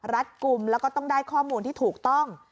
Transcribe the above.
กลุ่มแล้วก็ต้องได้ข้อมูลที่ถูกต้อง